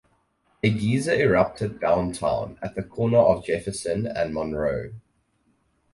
A geyser erupted downtown at the corner of Jefferson and Monroe.